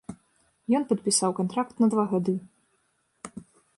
Ён падпісаў кантракт на два гады.